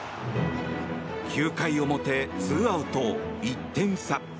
９回表、ツーアウト１点差。